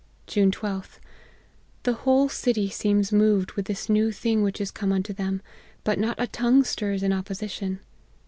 "June 12th. The whole city seems moved with this new thing which is come unto them ; but not a tongue stirs in opposition.